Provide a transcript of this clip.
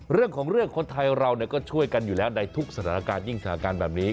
เรื่องของเรื่องคนไทยเราก็ช่วยกันอยู่แล้วในทุกสถานการณ์ยิ่งสถานการณ์แบบนี้